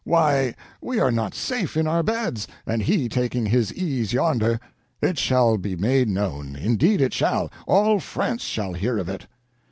Why, we are not safe in our beds, and he taking his ease yonder. It shall be made known, indeed it shall—all France shall hear of it!"